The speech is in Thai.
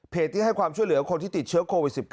ที่ให้ความช่วยเหลือคนที่ติดเชื้อโควิด๑๙